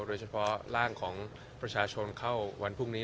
โดยเฉพาะร่างของประชาชนเข้าวันพรุ่งนี้